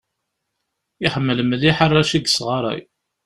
Iḥemmel mliḥ arrac i yesɣaṛay.